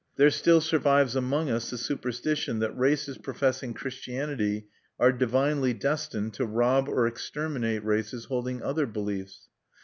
There still survives among us the superstition that races professing Christianity are divinely destined to rob or exterminate races holding other beliefs.